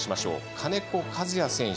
金子和也選手。